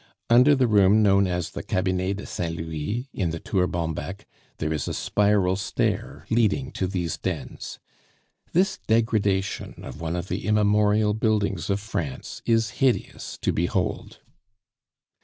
Under the room known as the Cabinet de Saint Louis, in the Tour Bonbec, there is a spiral stair leading to these dens. This degradation of one of the immemorial buildings of France is hideous to behold.